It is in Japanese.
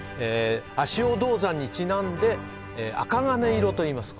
足尾銅山にちなんであかがね色といいます